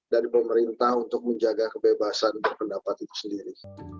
dari pemerintah untuk menjaga kebebasan berpendapat itu sendiri